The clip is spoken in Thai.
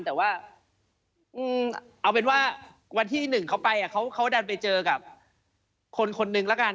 แต่ว่าเอาเป็นว่าวันที่หนึ่งเขาไปเขาดันไปเจอกับคนคนหนึ่งแล้วกัน